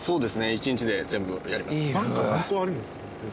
一日で全部やります。